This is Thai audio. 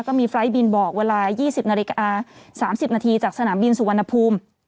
ก็มีบินบอกว่าลายยี่สิบนาฬิกาสามสิบนาทีจากสนามบินสุวรรณภูมิ